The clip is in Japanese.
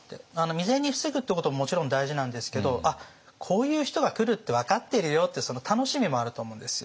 未然に防ぐってことももちろん大事なんですけど「あっこういう人が来るって分かってるよ」ってその楽しみもあると思うんですよ。